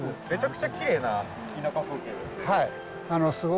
めちゃくちゃきれいな田舎風景ですね。